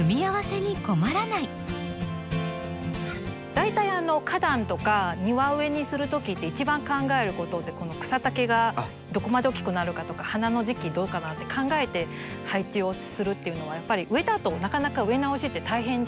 大体花壇とか庭植えにするときって一番考えることって草丈がどこまで大きくなるかとか花の時期どうかなって考えて配置をするっていうのがやっぱり植えたあとなかなか植え直しって大変ですもんね。